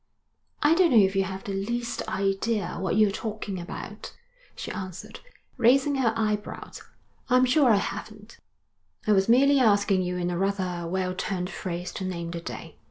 'I don't know if you have the least idea what you're talking about,' she answered, raising her eyebrows. 'I'm sure I haven't.' 'I was merely asking you in a rather well turned phrase to name the day.